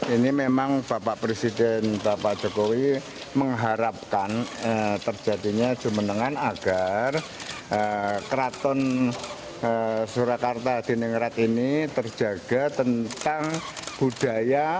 ini memang bapak presiden bapak jokowi mengharapkan terjadinya jumenengan agar keraton surakarta di ningrat ini terjaga tentang budaya